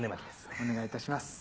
お願いいたします。